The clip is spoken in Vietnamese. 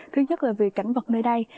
thứ nhất là vì cảnh vật nơi đây